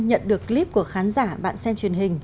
nhận được clip của khán giả bạn xem truyền hình